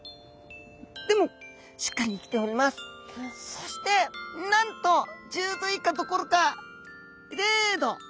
そしてなんと１０℃以下どころか０℃！